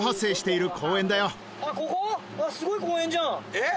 えっ？